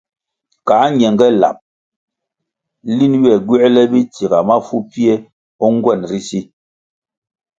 Ka ñenge lab linʼ ywe gywēle bitsiga mafu pfie o ngwenʼ ri si,